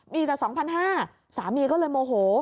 มีแต่๒๕๐๐บาทสามีก็เลยโมโห